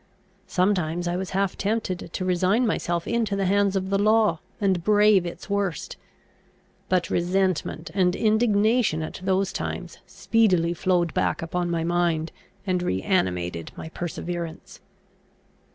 Sometimes I was half tempted to resign myself into the hands of the law, and brave its worst; but resentment and indignation at those times speedily flowed back upon my mind, and re animated my perseverance.